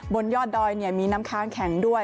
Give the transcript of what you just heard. บนยอดดอยมีน้ำค้างแข็งด้วย